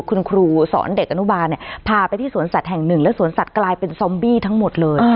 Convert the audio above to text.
คุณครูสอนเด็กอนุบาลเนี่ยพาไปที่สวนสัตว์แห่งหนึ่งและสวนสัตว์กลายเป็นซอมบี้ทั้งหมดเลย